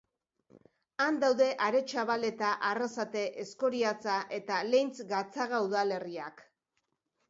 Han daude Aretxabaleta, Arrasate, Eskoriatza eta Leintz Gatzaga udalerriak.